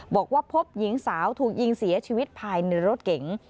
บอกว่าพบหญิงสาวถูกยิงเสียชีวิตภายในรถเก๋ง